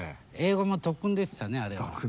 英語も特訓でしたねあれは。